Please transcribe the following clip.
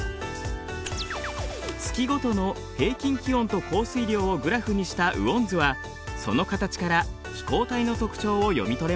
月ごとの平均気温と降水量をグラフにした雨温図はその形から気候帯の特徴を読み取れます。